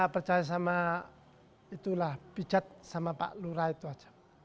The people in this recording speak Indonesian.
percaya sama itulah pijat sama pak lura itu aja